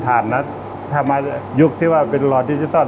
สวัสดีครับผมชื่อสามารถชานุบาลชื่อเล่นว่าขิงถ่ายหนังสุ่นแห่ง